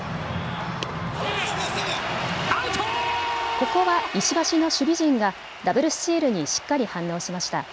ここは石橋の守備陣がダブルスチールにしっかり反応しました。